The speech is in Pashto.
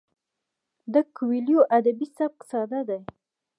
د کویلیو ادبي سبک ساده دی.